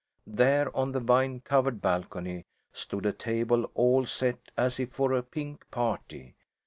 There on the vine covered balcony stood a table all set as if for a "pink party."